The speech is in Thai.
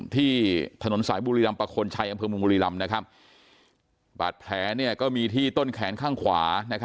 ที่ถนนสายบุรีรำประคลชัยอำเภอเมืองบุรีรำบาดแผลก็มีที่ต้นแขนข้างขวา